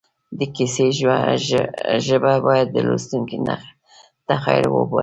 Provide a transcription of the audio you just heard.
د کیسې ژبه باید د لوستونکي تخیل وپاروي